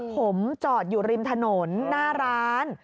ผมจอดอยู่ริมถนนหน้าร้าน